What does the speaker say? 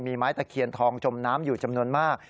มีไม้ตะเคียนทองจมน้ำอยู่จำนวนมาก